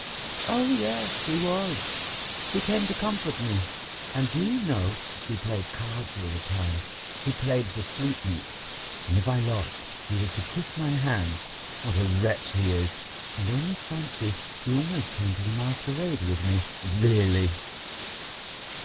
"Oh, yes, he was; he came to comfort me, and do you know, we played cards all the time. He played for sweet meats, and if I lost he was to kiss my hands. What a wretch he is! And only fancy, he almost came to the masquerade with me, really!"